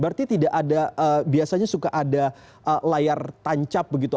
berarti tidak ada biasanya suka ada layar tancap begitu